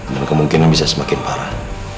dan kemungkinan bisa semakin parah